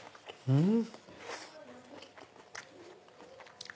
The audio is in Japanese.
うん！